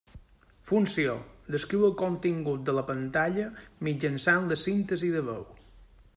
Funció: descriu el contingut de la pantalla mitjançant la síntesi de veu.